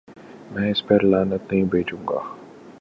میں اس پر لعنت نہیں بھیجوں گا۔